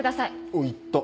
おっ言った。